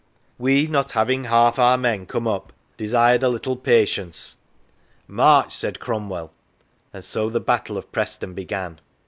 " We, not having half our men come up, desired a little patience." " March I " said Cromwell, and so the Battle of Preston began.